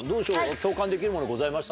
共感できるものございました？